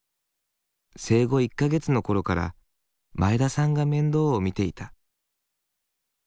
生後１か月のころから前田さんが面倒を見ていた。